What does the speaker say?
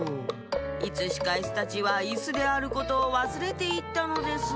いつしかイスたちはイスであることをわすれていったのです。